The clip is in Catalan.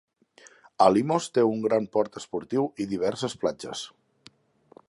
Alimos té un gran port esportiu i diverses platges.